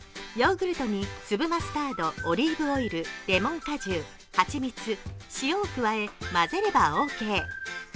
ヨーグルトに、粒マスタード、オリーブオイル、レモン果汁、蜂蜜、塩を加え混ぜればオーケー。